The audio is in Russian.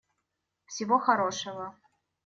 Всего хорошего.